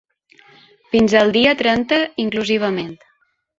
Fins al dia trenta inclusivament.